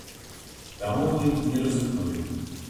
Таму мы не рызыкнулі.